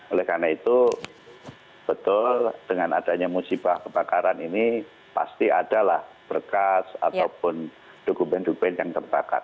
oleh karena itu betul dengan adanya musibah kebakaran ini pasti adalah berkas ataupun dokumen dokumen yang terbakar